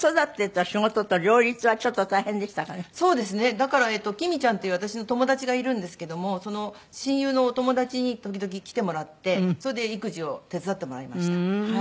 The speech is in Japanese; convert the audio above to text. だからきみちゃんっていう私の友達がいるんですけどもその親友のお友達に時々来てもらってそれで育児を手伝ってもらいました。